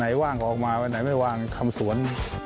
ไหนว่างก็ออกมาไหนไม่ว่างคำสวน